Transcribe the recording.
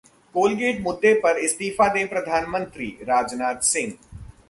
Colgate मुद्दे पर इस्तीफा दें प्रधानमंत्री: राजनाथ सिंह